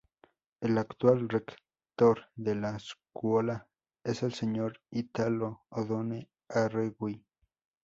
El actual rector de la Scuola es el Sr. Italo Oddone Arregui.